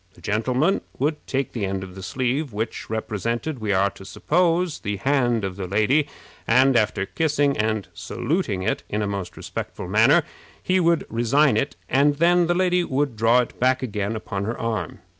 The gentleman would take the end of the sleeve, which represented, we are to suppose, the hand of the lady, and, after kissing and saluting it in a most respectful manner, he would resign it, and then the lady would draw it back again upon her arm.